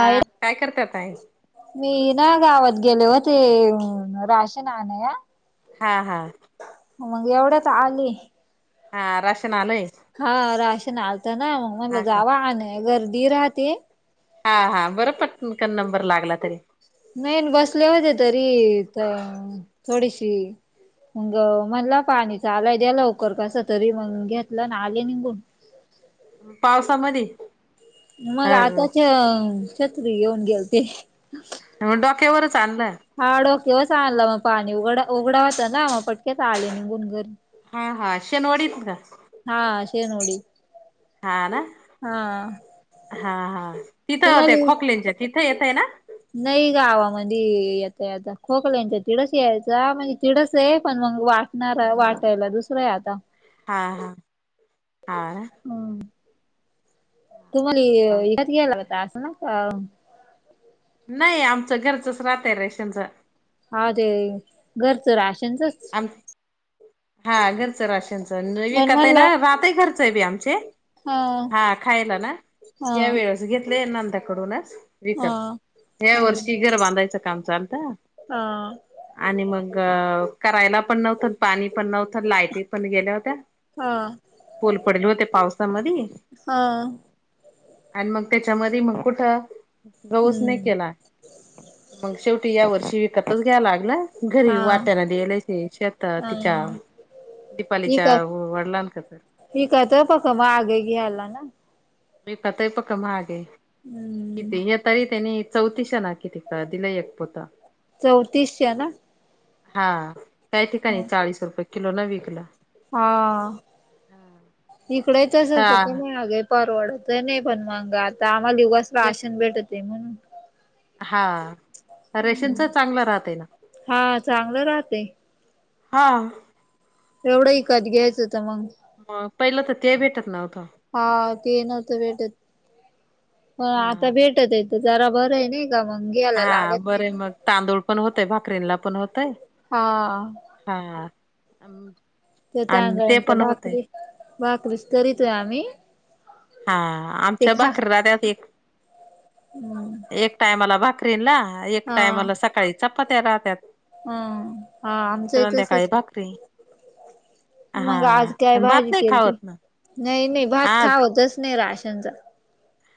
हा काय करता ताई. मी ना गावात गेले हो ते राशन आणया. हा हा, मग एवढ्यात आले. हा रशना आलय. हा राशन आलत ना मग म्हणला का जाव आण गर्दी राहते. हा हा बरं पटकन नंबर लागला तरी. नाही बसले होते तरी त थोडीशी. मग म्हणला पाणीचा आलाय द्या लवकर कस तरी मग घेतलं ना आले निघून. पावसा मध्ये. मग आताच्या छत्री घेऊन गेलते. मग डोक्यावरच आणलाय. हा डोके व च आणला मग पाणी उघड उघडा होता ना मग पटक्यात आले निघून घरी. हा हा शनिवडीच का? हा शेनवोडी. हा ना हा हा तिथं ते तुम्हाला खोकल्यांच्या तिथं येतय ना. नाही गावामध्ये येतय आता खोकल्यांचा तिडस यायचा म्हणजे तिडसय पण मग वाट''--'' नाय बाय वाटायला दुसरंय आता. हा हा हा काय. हम. मग तुम्हाला हत घ्यायला होता असं ना का. नाही आमचं घरचच राहतय रेशनच. हा ते घरचं राशनचंच. आम हा घरचं राशनच पण विकत आहे ना म्हणलं राहतय घरचय बी आमचे. हा खायला ना हा या वेळेस घेतले नंदाकडूनच. हा विकत ह्या हम् वर्षी घर बांधायचं काम चालंत. हा आणि मग करायला पण नव्हतं पाणी पण नव्हतं लायटी पण गेल्या होत्या. हा, पोल पडेल होते पावसामध्ये. हा, आणि मग त्याच्यामध्ये मग कुठं गहूच नाही हम्म केला आम्ही. मग शेवटी या वर्षी विकतच घ्यायला लागला घरी हा वाट्याला. गेले ते शेतात हा तिच्या दिपालीच्या वडलांना कडूनच.. ठीक तय फक मग आगे घ्यायला ना. दीपाताई पक्कं महागय. हम्म [inaudible] किती हे तरी त्यांनी चौतीसशे ना कि तिक दिलंय एक पोतं. चौतीसशेला. हा काही ठिकाणी चाळीस रुपये किलो न विकलं. हा इकड ही तसच का हा महाग आहेत. परवडत नाही पण मग आता आम्हाला युगसला एक राशेच भेटत म्हणन. हा रेशनच चांगलं राहते ना. हा चांगलं राहते हां, एवढं इकत घ्यायचं त मग. मग, पहिलं तर ते भेटत नव्हतं. हा ते नव्हत भेटत, पण आता हा. भेटतय तर जरा बरंय नाय जा मंग गे हा बरंय मग, तांदूळ पण होतय, भाकरींनला पण होतय. हा हां अम त्या अन ते तांदळांच्या पण होतेय. भाकरी भाकरीच करीतोय आम्ही हां ते आमच्या खा भाकरी राहात्यात, एक, हम्म एक टायमाला भाकरीनला, एक टायमाला सकाळी चपात्या राहत्यात हम्म, हां आणि आमचंही संध्याकाळी भाकरी तसचय हा मग, आज काय आणि भात भाजी नाही केलती? खावत ना नही नही भात आज खावतच नही राशनचा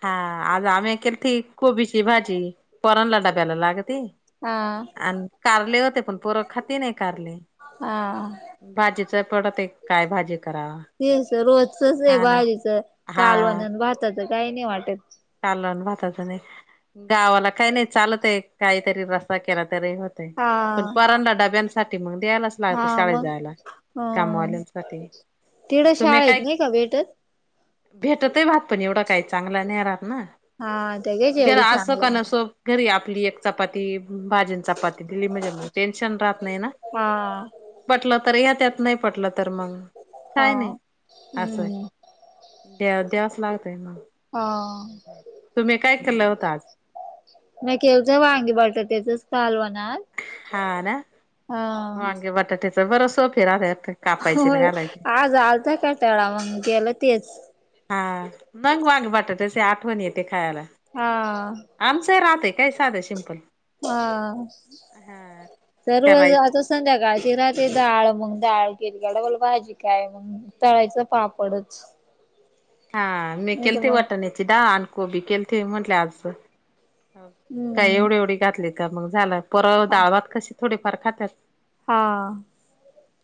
हां आज आम्ही केल ती कोबीची भाजी, पोरांना डब्याला लागती. हां अण कारले होते, पण पोरं खाती नही कारले हां भाजीच पडतय, काय भाजी करावा? तेच रोजचच हा ना भाजीच, कालवन भाताच काही नही वाटत. कालवन भातचं नही, गावाला काही नही चालत एक काहीतरी रस केला तरी होतय, हा पण पोरांला डब्यांसाठी मग द्यायालाच लागत हा शाळेत मग जायला, ह कामावाल्यांसाठी, तिड मग तुम्ही शाळेत काय नाही का भेटत भेटतय भात, पण एवढं काही चांगला नहीे रात ना. हा त्या घ्यायची घर एवढी असो का चांगलं नसो, घरी आपली एक चपाती, भाजी चपाती दिली म्हणजे मग, टेन्शन राहत नाही ना? हा पटलं तर यात्यात, नही पटलं तर मग, हा काय नाही असंय हम्म द्या-द्यायच लागतय मग, हा तुम्ही काय केलं होता आज? मी केलत वांग्य बटाट्याच कालवण आज हा ना? वांग्य बटाट्याचं बर सोपी राहत इथं होय, आज आलता कटाळा मग केलं तेच हा मंग वांग बटाटच आठवण येते खायाला. हां. आमचं राहतं काय साधं सिम्पल. हां सर्व करायच आजच संध्याकाळची राहती डाळ, मंग डाळ केली का डबल भाजी काय, मग? तळायचं पापडच. हा मी नाही तर केलती मग वाटण्याची डाळ आणि कोबी केलती, म्हंटल आज. काय, हम्म एवढी-एवढी घातली का मग झालं, पोरं डाळ भात कशी थोडीफार खातात. हां.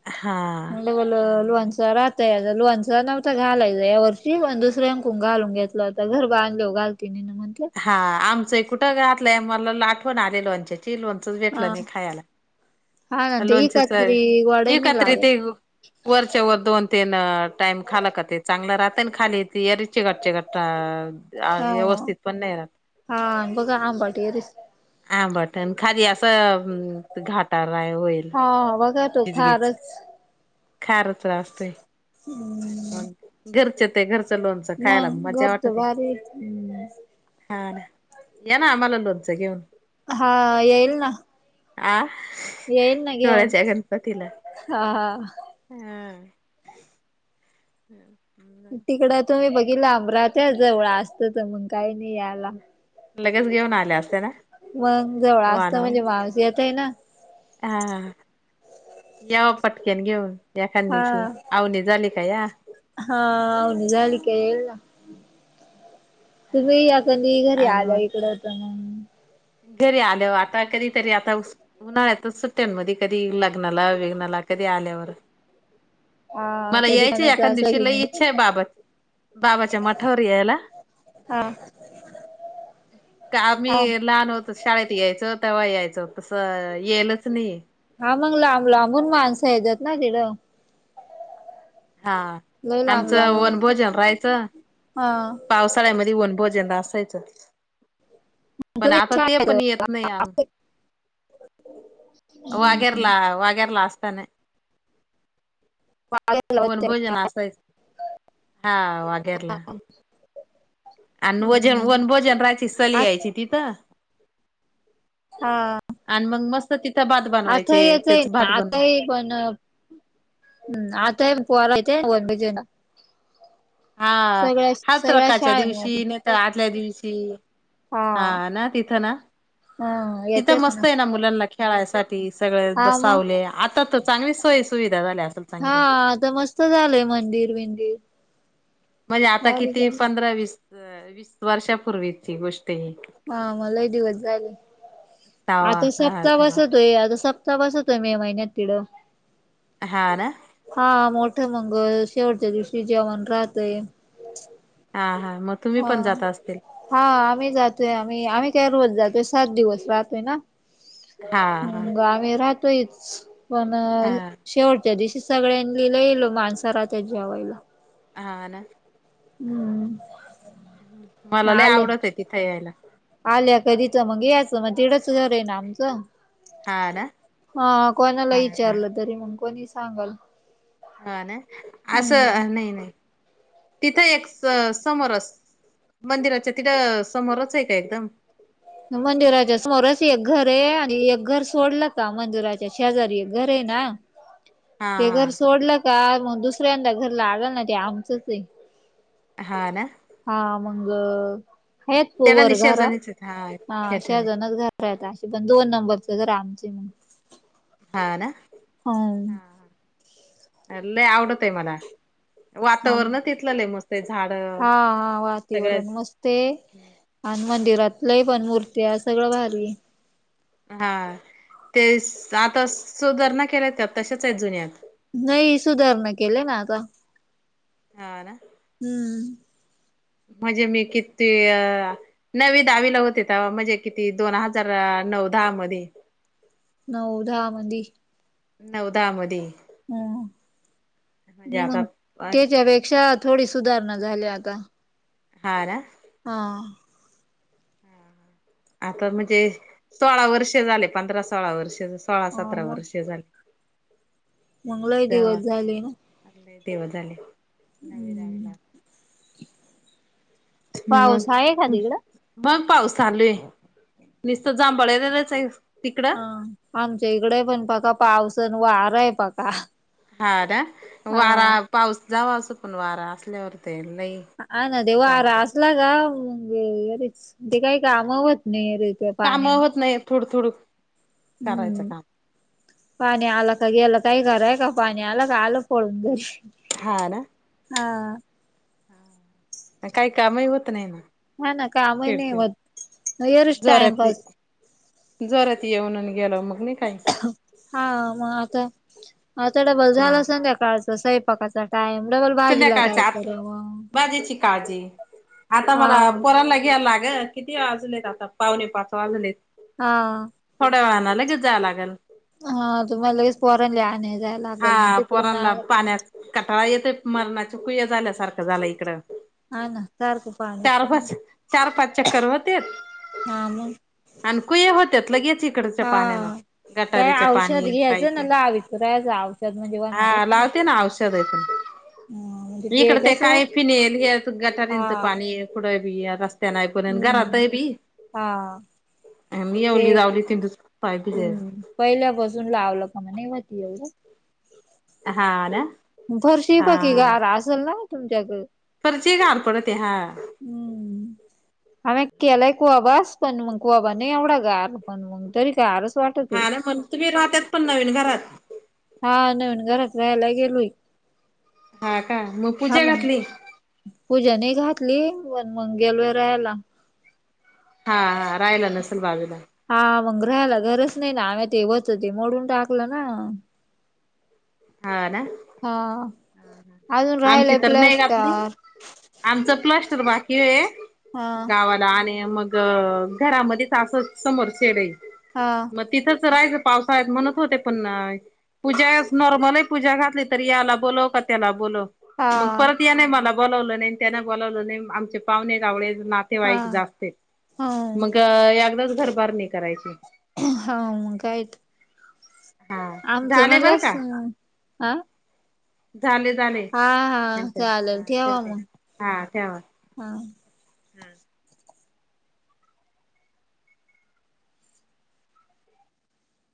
हा उल उल आणि लोणचं राह तय, लोणचं नवत घालायचं या वर्षी, पण दुसऱ्यांंकून घालून घेतलं होत, घर बांधल्यावं घाल ति, नहिना? म्हणत्यात. हां आमचंय कुठं घातलंय, मला आठवण आलीय लॉनच्याची. लोणचंच हा भेटलं नही खायाला, हा ना ते लोणचेच एकाचरी गोडही नाही इकत्रित लागत ते वरच्या वर दोन तीन टाईम खाल का, ते चांगला राहतय खाली त यरीचे चिगट -चिंगट अ आ, व्यवस्थित पण नाही राहत. हां, बघा आंबाट यरीस आं बटणं खाली असं घाटांलायं आहे होईल हां बघां तो फारचं खारचं रां असतें हम्मं घरचं ते घरचं लोणचं खायंला मज्जा घरच वाटतें भारी हां यां नां आम्हांला लोनचं घेऊंन हां येईल नां आं येईन नं घेऊन हां हां हम्मं हम्मं हम्मं तिकडं तुम्हीं बघितला अमरावती जवळं असतं तरं मंग कांहीं नाहीं यांला लगेच घेऊन आल्या असत्या ना मंग जवळं असतं म्हणजे वांस येतं आहे नां हां यांवा पटक्यांन घेऊंन एखाद्या दिवशी आवने झालीं कां यां हां अउन झाली कायं येईल नां हा तुम्हीं यां कां घरी आणि आल्या मग इकडं होतं घरी आल्यावर आंता कधीतरी आंता उन्हाळ्यांतच सुट्ट्या मं कधीं लग्नांला वेग्नाला कधीं आल्यांवर हा मलां कधी यायचं कोणाचं एखाद्या असं दिवशीला घेन ईच्छा आहे बाबां बाबांच्या मठावरं यायंला हां त्यां आम्हीं लहांन होतो शाळेंत यायचं तेंव्हा यायचं तसं येईलच नाहीं हां मंग लांब लांबून माणसं येतांत नां तिकडं हां लय आमचं वनभोजन राहायचं हां पावसाळ्यांमध्ये वनभोजनं असायचं पणं तुम्ही आंता ते पणं येतं नाहीं आम्हीं वाघेरलां वाघेर लां असतांना वनभोजनं असायचं हां वाघेरलां आणि वंजन वनं भोजन राहायंची चली यांयची तिथं आणि मंग मस्तं तिथं भांत बनवायचे तेचं भांत बन पणं हम्मं आंता पोरांच्या हां सगळ्या हरितालिकांच्या दिवशी शाळेमध्ये नाहीं तरं आदल्यां दिवशी हा हां नां तिथं नां हा तिथं येतेच ना मस्तं आहे नां मुलांना खेळांयसाठी सगळें हा मग बसावले आंता तरं चांगली सोय सुविधा झाल्यां असलं हां आंता मस्तं झालंय मंदिर बिंदिर म्हणजे आंता भारी किती झालं पंधरा वीस वीस वर्षापूर्वीची गोष्ट आहे हां मंग लई दिवसं झाले तवा आंधी हा सप्तांह तवा बसतोय आंता स सतांह बसतोय मे महिन्यांत तीथं हां नां हां मोठ मंगल शेवटच्यां दिवशी जेवणं राहतयं हां हां मंग हां हां आम्हीं जातोय आम्हीं आम्हीं कायं रोज जातोय सात दिवसं राहतोय नां हा हा आम्हीं राहतोयचं हा पणं शेवट त्या दिवशी सगळ्यांनी लई माणसं राहत्यात जेवायला. हा, ना, हम्म मला लई आल्या आवडतय तिथे यायला. आल्या कधी तर मग याचं मग, तिकडच घर आहे ना आमचं हा ना हा कोणाला हा हा विचारलं तरी, मग कोणी सांगल. हा ना हम्म असं नाही, नाही. तिथं एक समोरच मंदिराच्या तिथं समोरच आहे का एकदम? मंदिराच्या समोरच एक घर आहे, आणि एक घर सोडलं का मंदिराच्या शेजारी एक घर आहे ना. ह [inaudible] ते घर सोडलं का मग दुसऱ्यांदा घर लागल ना ते आमचंच आहे. हा ना हा मंग हेच त्याला [unintelligible] घरा निशेजानीच हा खेटणे शेजारनच घर खर असे पण दोन नंबरचे तर आमचे मग हा ना ह ह लई आवडत ये मला आम वातावरण तिथलं लई मस्त आहे झाड सगळं ते, आणि मंदिरात लई पण मूर्त सगळं भारी आहे. ते, आता सुधारणा केल्या त्या तशाच आहेत जुन्या नाही सुधारणा केले ना आता हा, ना. हम्म म्हणजे मी किती अ नवी दहावीला होते तेव्हा म्हणजे किती दोन हजार नऊ दहा मधे नऊ दहा मधी नऊ दहा मधी आता ह, त्याच्यापेक्षा थोडी सुधारणा झाल्या आता. हा, ना. हा हा [inaudible] आता म्हणजे सोळा वर्ष झाले, पंधरा सोळा वर्ष सोळा हा सतरा वर्ष झाले. मंगलाही दिवस झाले ना आपले दिव झाले नवे दवे हम्म ला [unintelligible] मग पाऊस आहे का तिकडं मग पाऊस चालू आहे, नसत जांबळच आहे. तिकडं हा आमच्या इकडे पण पाका पावसन वार आहे पाका हा ना वारा पाऊस जावा असं, पण वारा असल्यावर ते नाही. हा, ना तेव्हा असला का म अरेच ते काही, कामवत नाही अरेच काम होत नाही, थोडं थोड करायचं हम्म काम पाणी आलं का गेलं काही कराय का पाणी आलं का आलं पडून घरी हा, ना. हा काही कामही होत, नाही ना हा ना कामही नाही, चिडचिड मत येरच टाइमपास जरात येऊन नी [unintelligible] हा मग आता आता डबल झाला सं काळ सयंपाकाचा सुध्याकाळच्या आत, भाजेची काळजी आता हा मला पोरांला घ्यायला लाग किती वाजलेत आता पावणे पाच वाजलेत हा थोड्या वेळाने लागेच जायला लागेल. हा तुम्हाला लगेच पोरानले आणले जायला लागलं मग हा तिकडून पोरांला आलं पाण्यात कटाळा येतय मरणाच्या कुया झाल्यासारखं झालं इकडं हा ना सारखं पाणी चार पाणी पाच चार पाच चक्कर होते. हा मग आणि कुया होत्या लगेच इकडच्या हा पाण्याने गटारीच्या पाणी पाईप जाव [unintelligible] हा लावते ना औषध ह म्हणजे इकड ते कसं काय पिनेल हा गटारीचं पाणी कुढं बिस्त त्याना ऐ पर्य घरात हम्म आहे पी हा मी ते येवली जावली तिंू [unintelligible] हम्म पहिल्यापासून लावलं का मग नाही होत एवढं हा ना फरशी हा बाकी गार असेल ना तुमच्याकडे? फरशी गार पडते हा हम्म आम्ही केलाय कोबाच पण मग कोबा नाही एवढा गारल पण मग तरी गारस वाटतंय. आणि म्हग तुम्ही राहात पण नवीन घरात हा नवीन घरात राहायला गेलोय. हा का मग पूजा घातली? पूजा नाही घातली पण मग गेलो राहायला. हा हा राहिला नसेल बाजूला हा मग राहायला घरच नाही ना आम्ही वरचं हो ते मोडून टाकलं ना हा ना हा ह अजून आमची राहिलय तर नाही घातली प्लॅस्टर आमचं प्लस्टर बाकी आहे हा गावात आणि मग घरामध्येच समोर शेड आहे. हा मग तिथंच राहायचं पावसाळ म्हणतं होते पण पूजा नॉर्मल पूजा घातली त याला बोलव का त्याला बोलव हा मग परत त्याने मला बोलावलं नाही त्याने बोलावलं नाही आमचे पाहुणे रावळे नात तेव्हा हा एक जास्त हा मग एकदाच घरबार नाही करायचे. हा मग कायतर हा आमचं झाले बरं मलाच का हा झाले झाले हा हा मिनट चालेल ठेवा हाते मग हा ठेवा हा हम्म